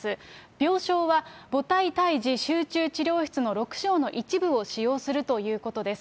病床は、母体胎児集中治療室の６床の一部を使用するということです。